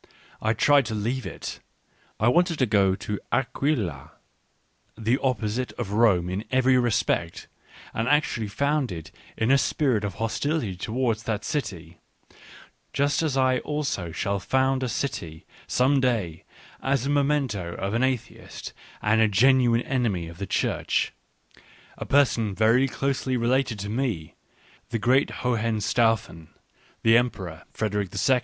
I tried to leave it. I wanted to go to Aquila — the opposite of Rome in every respect, and actually founded in a spirit of hostility towards that city, just as I also shall found a city some day, as a memento of an atheist and genuine enemy of the Church, a person very closely related to me, the great Hohenstaufen, the Emperor Frederick II.